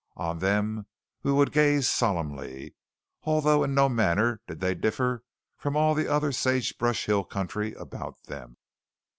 On them we would gaze solemnly, although in no manner did they differ from all the other sage brush hill country about them.